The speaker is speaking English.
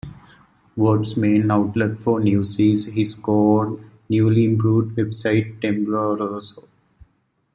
Ward's main outlet for news is his co-owned, newly improved website, Tembloroso.